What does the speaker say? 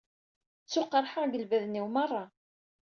Ttuqerḥeɣ deg lebden-iw merra.